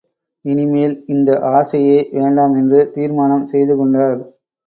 இனிமேல் இந்த ஆசையே வேண்டாம் என்று தீர்மானம் செய்து கொண்டார்.